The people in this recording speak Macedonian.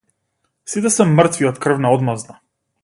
Сите се мртви од крвна одмазда.